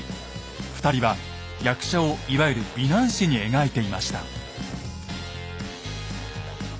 ２人は役者をいわゆる美男子に描いていました。